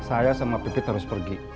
saya sama petit harus pergi